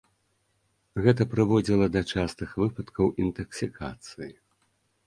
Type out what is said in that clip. Гэта прыводзіла да частых выпадкаў інтаксікацыі.